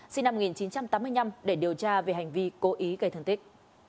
sinh năm một nghìn chín trăm tám mươi năm để điều tra về hành vi cố ý gây thân tích